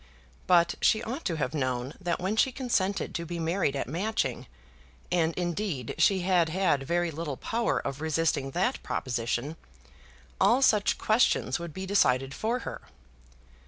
But she ought to have known that when she consented to be married at Matching, and indeed she had had very little power of resisting that proposition, all such questions would be decided for her.